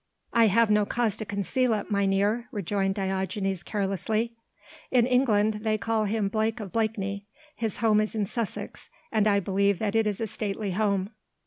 "I have no cause to conceal it, mynheer," rejoined Diogenes carelessly. "In England they call him Blake of Blakeney; his home is in Sussex and I believe that it is a stately home."